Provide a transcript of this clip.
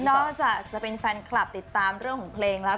นอกจากจะเป็นแฟนคลับติดตามเรื่องของเพลงแล้ว